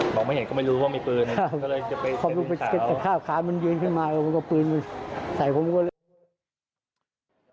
เขาไปข้ามืออยุ่มาทีนี้ค่ะ